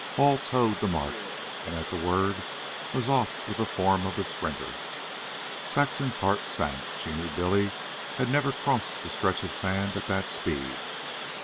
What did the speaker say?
Hall toed the mark and at the word was off with the form of a sprinter. Saxon's heart sank. She knew Billy had never crossed the stretch of sand at that speed.